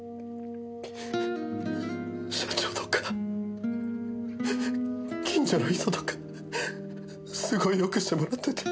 社長とか近所の人とかすごいよくしてもらってて。